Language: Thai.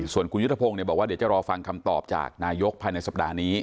ส่วนคุณยุทธพงศ์บอกว่าเดี๋ยวจะรอฟังคำตอบจากนายกภายในสัปดาห์นี้